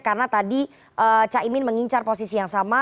karena tadi caimin mengincar posisi yang sama